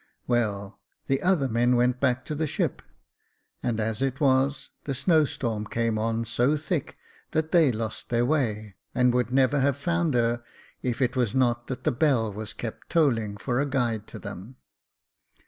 Well, the other men went back to the ship, and as it was, the snow storm came on so thick that they lost their way, and would never have found her, if it was not that the bell was kept tolling for a guide to them.